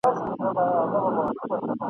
دا هېرسوي لحدونه ..